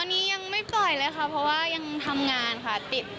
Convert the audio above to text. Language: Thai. ตอนนี้ยังไม่ปล่อยเลยค่ะเพราะว่ายังทำงานค่ะติด